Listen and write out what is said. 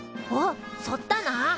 おっそっだな。